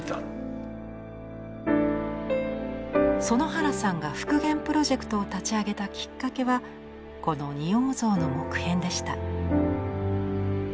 園原さんが復元プロジェクトを立ち上げたきっかけはこの仁王像の木片でした。